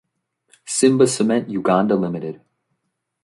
Simba Cement Uganda Limited.